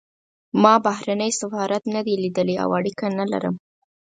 ما بهرنی سفارت نه دی لیدلی او اړیکه نه لرم.